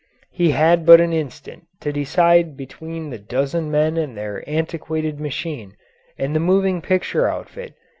He had but an instant to decide between the dozen men and their antiquated machine and the moving picture outfit.